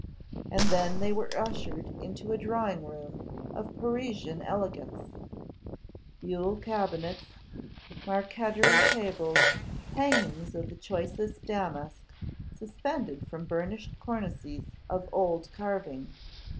And then they were ushered into a drawing room of Parisian elegance; buhl cabinets, marqueterie tables, hangings of the choicest damask suspended from burnished cornices of old carving.